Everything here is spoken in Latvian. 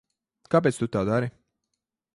Kāpēc tu tā dari?